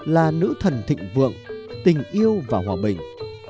là nữ thần thịnh vượng tình yêu và hòa bình